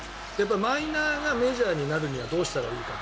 マイナーがメジャーになるにはどうしたらいいか。